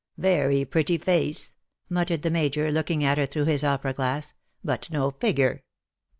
« Very pretty face/^ muttered the Major, looking at her through his opera glass ;" but no figure.''